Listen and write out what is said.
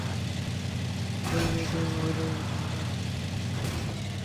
তুই যদি ওই মহিলার পিছনে যাস, তাহলে তোর খাবারে বিষ দিব।